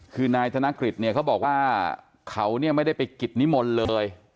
คือนายธนกฤษเนี่ยเขาบอกว่าเขาเนี่ยไม่ได้ไปกิจนิมนต์เลย